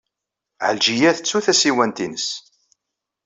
Ɛelǧiya tettu tasiwant-nnes.